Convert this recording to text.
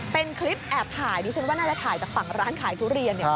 เป็นคลิปแอบถ่ายดิฉันว่าน่าจะถ่ายจากฝั่งร้านขายทุเรียน